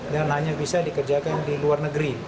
dan hanya bisa dikerjakan di luar negeri